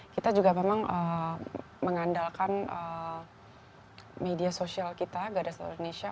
kita juga memang mengandalkan media sosial kita gada seluruh indonesia